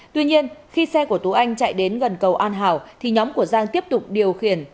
tuy nhiên khi xe của tú anh chạy đến gần cầu an hảo thì nhóm của giang tiếp tục điều khiển